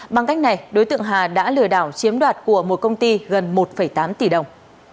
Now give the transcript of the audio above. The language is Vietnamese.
bằng cách này đối tượng hà đã lừa đảo chiếm đoạt của một công ty gần một tám tỷ đồng